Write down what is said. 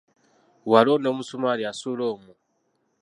Bw'alonda omusumali, asuula omwo.